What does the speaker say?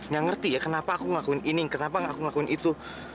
gak ngerti ya kenapa aku ngakuin ini kenapa aku ngakuin itu